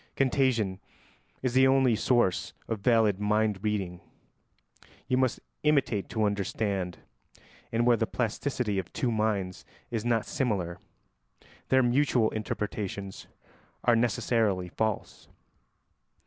Contagion is the only source of valid mind reading: you must imitate to understand, and where the plasticity of two minds is not similar their mutual interpretations are necessarily false.